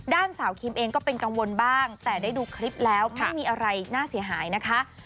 ด้านสาวคิมเองก็เป็นกังวลบ้างแต่ได้ดูคลิปแล้วไม่มีอะไรน่าเสียหายนะคะ